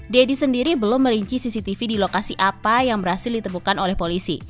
dedy sendiri belum merinci cctv di lokasi apa yang berhasil ditemukan oleh polisi